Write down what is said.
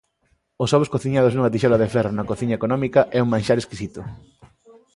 Os ovos cociñados nunha tixola de ferro na cociña económica é un manxar exquisito